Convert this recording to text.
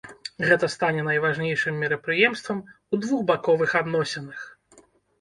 Гэта стане найважнейшым мерапрыемствам у двухбаковых адносінах.